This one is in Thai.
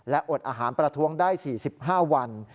และอดอาหารประท้วงได้๔๕วัน